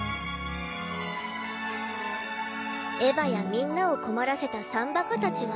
エヴァやみんなを困らせた３バカたちは